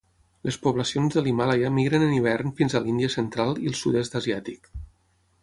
Les poblacions de l'Himàlaia migren en hivern fins a l'Índia central i el Sud-est Asiàtic.